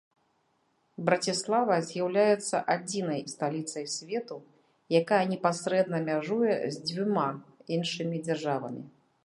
Браціслава з'яўляецца адзінай сталіцай свету, якая непасрэдна мяжуе з дзвюма іншымі дзяржавамі.